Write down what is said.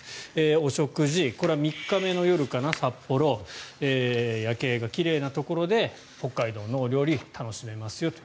お食事、これは３日目の夜かな札幌、夜景が奇麗なところで北海道のお料理を楽しめますよと。